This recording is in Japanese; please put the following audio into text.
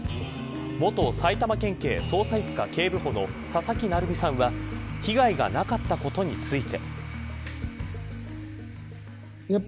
元埼玉県警捜査一課警部補の佐々木成三さんは被害がなかったことについて。